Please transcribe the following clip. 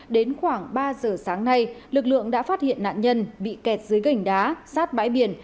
đến khoảng ba giờ sáng nay lực lượng đã phát hiện nạn nhân bị kẹt dưới gành đá sát bãi biển